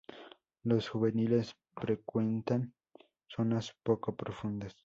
Los juveniles frecuentan zonas poco profundas.